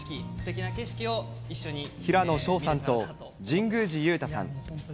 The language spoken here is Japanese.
平野紫燿さんと神宮寺勇太さん。